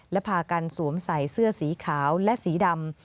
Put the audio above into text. และพากันสวมใส่เสื้อสีขาวและสีดำ